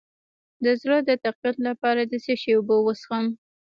د زړه د تقویت لپاره د څه شي اوبه وڅښم؟